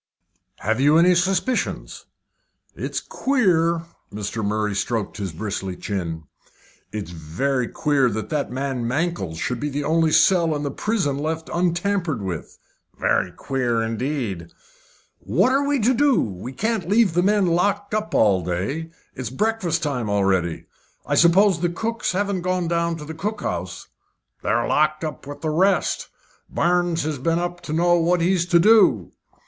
"Have you any suspicions?" "It's queer." Mr. Murray stroked his bristly chin. "It's very queer that that man Mankell's should be the only cell in the prison left untampered with." "Very queer, indeed." "What are we to do? We can't leave the men locked up all day. It's breakfast time already. I suppose the cooks haven't gone down to the cookhouse?" "They're locked up with the rest. Barnes has been up to know what he's to do."